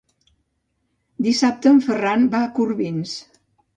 Dissabte en Ferran va a Corbins.